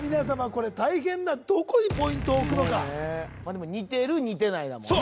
これ大変だどこにポイントを置くのか似てる似てないだもんね